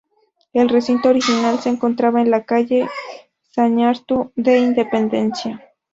El recinto original se encontraba en la calle Zañartu de Independencia.